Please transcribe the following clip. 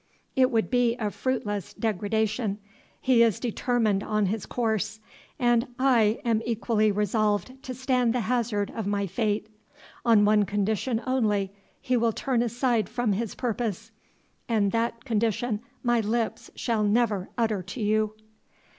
"It would be a fruitless degradation; he is determined on his course, and I am equally resolved to stand the hazard of my fate. On one condition only he will turn aside from his purpose, and that condition my lips shall never utter to you."